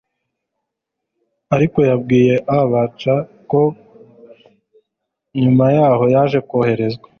Ariko yabwiye ABC ko nyuma yaho yaje kohererezwa